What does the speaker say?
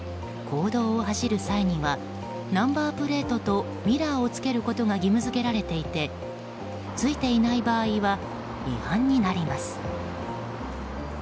公道を走る際にはナンバープレートとミラーをつけることが義務付けられていてついていない場合は違反になります。